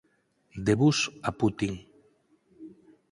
De Bush a Putin